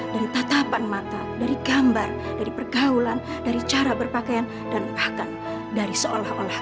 dari tatapan mata dari gambar dari pergaulan dari cara berpakaian dan bahkan dari seolah olah